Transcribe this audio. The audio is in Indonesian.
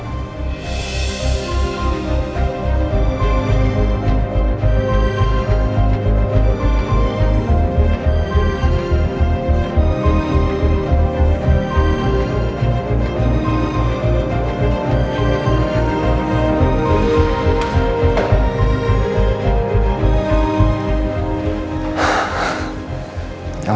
tapi aku tahu